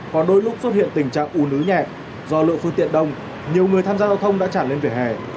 còn đôi lúc xuất hiện tình trạng ùn ứ nhẹt do lượng phương tiện đông nhiều người tham gia giao thông đã chả lên vỉa hè